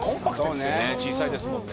小さいですもんね。